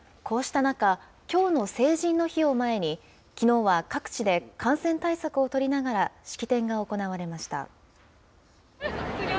こうした中、きょうの成人の日を前にきのうは各地で、感染対策を取りながら式典が行われました。